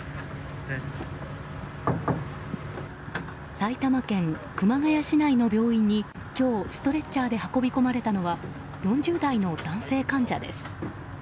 埼玉県熊谷市内の病院に今日、ストレッチャーで運び込まれたのは４０代の男性患者です。